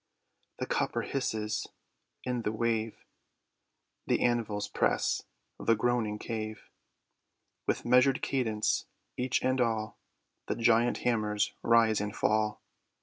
The copper hisses in the wave. The anvils press the groaning cave. With measured cadence each and all The giant hammers rise and fall.